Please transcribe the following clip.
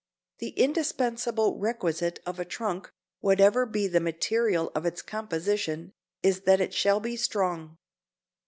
The indispensable requisite of a trunk, whatever be the material of its composition, is that it shall be strong.